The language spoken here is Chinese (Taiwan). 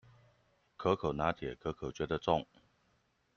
可可拿鐵，可可覺得重